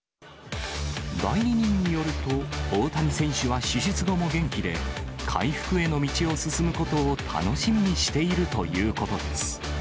代理人によると、大谷選手は手術後も元気で、回復への道を進むことを楽しみにしているということです。